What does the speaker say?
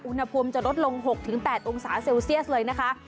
อุณหภูมิจะลดลง๖๘องศาเซลเซียสเลยนะคะ